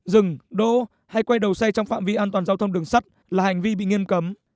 dừng đỗ hay quay đầu xe trong phạm vi an toàn giao thông đường sắt là hành vi bị nghiêm cấm